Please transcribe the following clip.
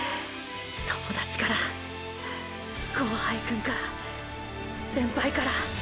友達から後輩くんから先輩から――